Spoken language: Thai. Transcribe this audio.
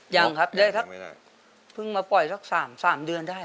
ยังครับได้สักเพิ่งมาปล่อยสัก๓เดือนได้